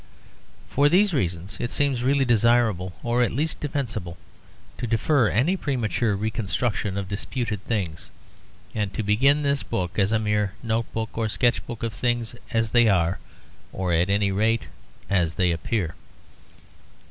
For these reasons it seems really desirable, or at least defensible, to defer any premature reconstruction of disputed things, and to begin this book as a mere note book or sketch book of things as they are, or at any rate as they appear.